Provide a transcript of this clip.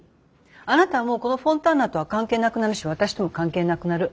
あなたはもうこのフォンターナとは関係なくなるし私とも関係なくなる。